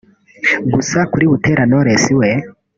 gusa kuri Butera Knowless we